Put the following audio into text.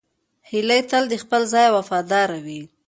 هیلۍ تل د خپل ځای وفاداره وي